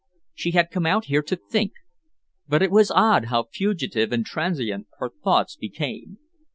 She had come out here to think, but it was odd how fugitive and transient her thoughts became.